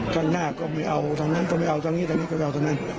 ข้างหน้าก็ไม่เอาทางนั้นก็ไม่เอาทางนี้ทางนี้ก็ไม่เอาทั้งนั้น